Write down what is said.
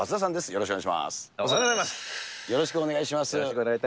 よろしくお願いします。